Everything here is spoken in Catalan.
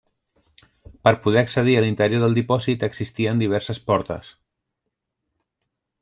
Per poder accedir a l'interior del dipòsit existien diverses portes.